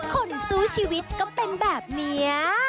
คนสู้ชีวิตก็เป็นแบบนี้